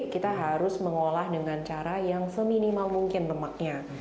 kita harus mengolah dengan cara yang seminimal mungkin lemaknya